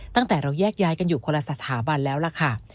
ตั้งแต่เราแยกย้ายกันอยู่คนละสถาบันแล้วล่ะค่ะ